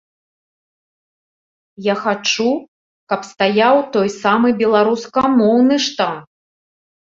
Я хачу, каб стаяў той самы беларускамоўны штамп.